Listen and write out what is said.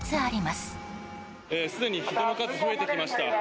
すでに人の数増えてきました。